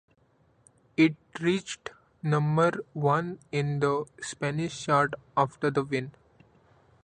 It reached number one in the Spanish chart after the win.